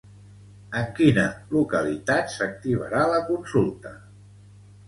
En quina localitat s'activarà la consulta?